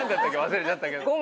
忘れちゃったけど。